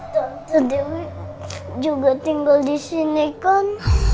tante dewi juga tinggal disini kan